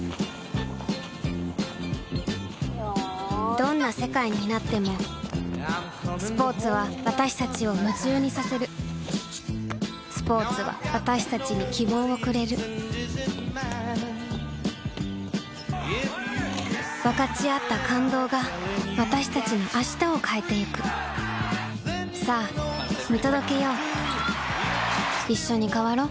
どんな世界になってもスポーツは私たちを夢中にさせるスポーツは私たちに希望をくれる分かち合った感動が私たちの明日を変えてゆくさあ見届けよういっしょに変わろう。